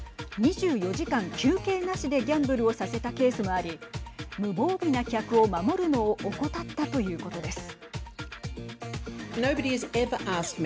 ２４時間休憩なしでギャンブルをさせたケースもあり無防備な客を守るのを怠ったということです。